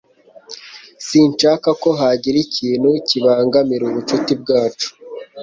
Sinshaka ko hagira ikintu kibangamira ubucuti bwacu